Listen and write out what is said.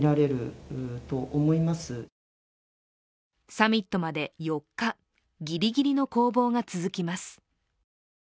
サミットまで４日、ギリギリの攻防が続きます。